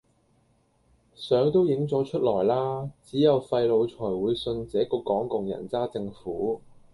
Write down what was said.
相都影咗出來啦！只有廢腦才會信這個港共人渣政府